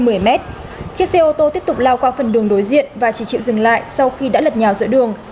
hơn một mươi mét chiếc xe ô tô tiếp tục lao qua phần đường đối diện và chỉ chịu dừng lại sau khi đã lật nhào giữa đường